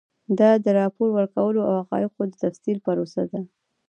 دا د راپور ورکولو او حقایقو د تفسیر پروسه ده.